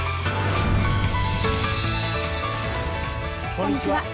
こんにちは。